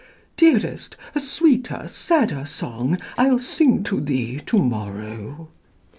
Dearest, a sweeter, sadder song I'll sing to thee to morrow."